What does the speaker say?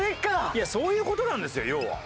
いやそういう事なんですよ要は。